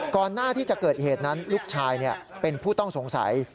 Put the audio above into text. ก่อนหน้าที่จะเกิดเหตุนั้นลูกชายเป็นผู้ต้องสงสัย